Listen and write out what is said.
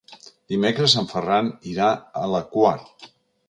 Dimecres en Ferran irà a la Quar.